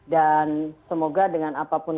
dan semoga dengan apapun